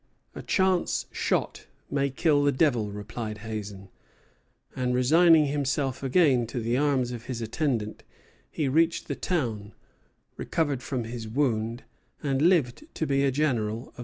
"A chance shot may kill the devil," replied Hazen; and resigning himself again to the arms of his attendant, he reached the town, recovered from his wound, and lived to be a general of the Revolution.